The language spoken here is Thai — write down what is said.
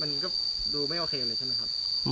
มันก็ดูไม่โอเคเลยใช่ไหมครับ